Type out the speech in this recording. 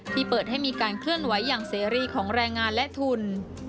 เปิดให้มีการเคลื่อนไหวอย่างเสรีของแรงงานและทุน